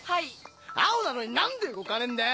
青なのに何で動かねえんだよ！